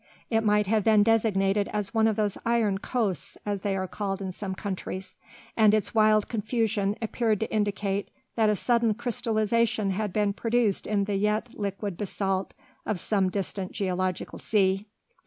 It might have been designated as one of those iron coasts, as they are called in some countries, and its wild confusion appeared to indicate that a sudden crystallisation had been produced in the yet liquid basalt of some distant geological sea.